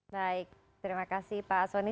baik terima kasih pak soni